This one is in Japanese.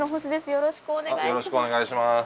よろしくお願いします。